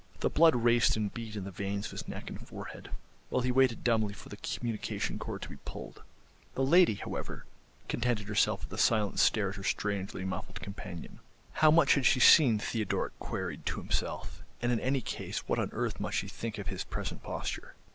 The blood raced and beat in the veins of his neck and forehead, while he waited dumbly for the communication cord to be pulled. The lady, however, contented herself with a silent stare at her strangely muffled companion. How much had she seen, Theodoric queried to himself, and in any case what on earth must she think of his present posture?